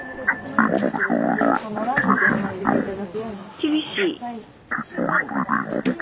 厳しい？